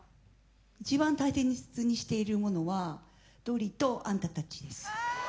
一番大切にしているものはドリとあんたたちです。